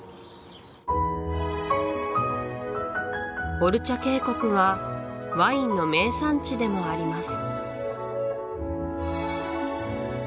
オルチャ渓谷はワインの名産地でもあります